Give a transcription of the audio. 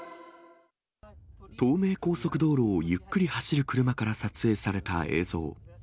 東名高速道路をゆっくり走る車から撮影された映像。